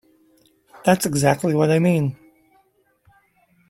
That's exactly what I mean.